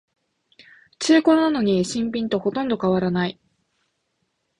中古なのに新品とほとんど変わらない